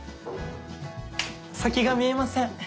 先が見えません。